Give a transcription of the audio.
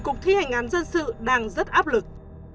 cục thi hành án dân sự đang rất áp lực